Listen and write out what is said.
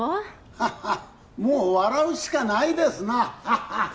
ハッハッもう笑うしかないですなハッハッ